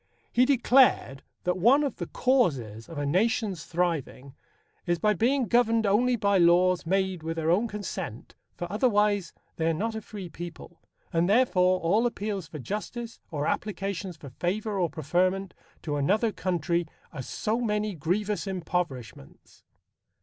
He declared that one of the causes of a nation's thriving ... is by being governed only by laws made with their own consent, for otherwise they are not a free people. And, therefore, all appeals for justice, or applications for favour or preferment, to another country are so many grievous impoverishments.